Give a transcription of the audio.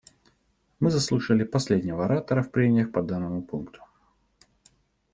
Мы заслушали последнего оратора в прениях по данному пункту.